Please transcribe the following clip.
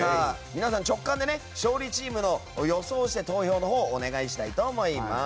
皆さん、直感で勝利チームを予想して投票をお願いしたいと思います。